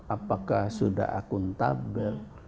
apakah sudah akuntabel